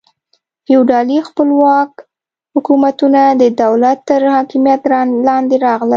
فیوډالي خپلواک حکومتونه د دولت تر حاکمیت لاندې راغلل.